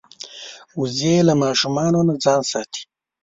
وزې له ماشومانو نه ځان ساتي